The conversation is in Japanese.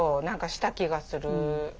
何かした気がする。